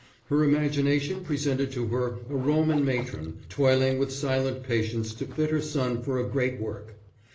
Her imagination presented to her a Roman matron, toiling with silent patience to fit her son for a great work.